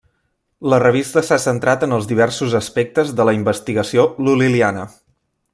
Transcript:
La revista s'ha centrat en els diversos aspectes de la investigació lul·liana.